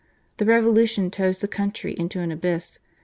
The revolution tows' the country into an abyss.